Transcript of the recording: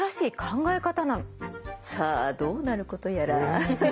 さあどうなることやら。